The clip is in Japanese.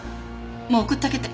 もう送ってあげて。